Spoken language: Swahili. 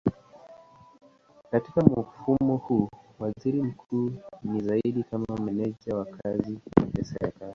Katika mfumo huu waziri mkuu ni zaidi kama meneja wa kazi ya serikali.